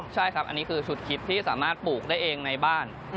ใช่ครับอันนี้คือชุดคิดที่สามารถปลูกได้เองในบ้าน